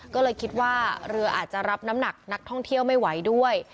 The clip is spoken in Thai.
ก็เลยคิดว่าเรืออาจจะรับน้ำหนักนักท่องเที่ยวไม่ไหวด้วย